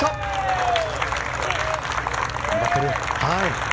頑張ってる。